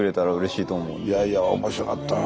いやいや面白かったな。